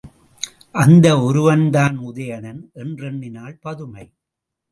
அந்த ஒருவன்தான் உதயணன்! என்றெண்ணினாள் பதுமை.